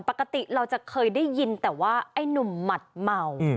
ปกติเราจะเคยได้ยินแต่ว่าไอ้หนุ่มหมัดเมา